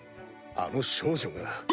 あの少女が。